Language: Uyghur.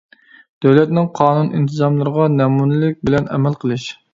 دۆلەتنىڭ قانۇن-ئىنتىزاملىرىغا نەمۇنىلىك بىلەن ئەمەل قىلىش.